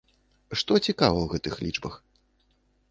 Што цікава ў гэтых лічбах?